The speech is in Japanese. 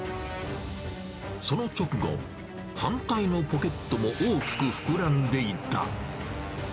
その直後、反対のポケットも大きく膨らんでいた。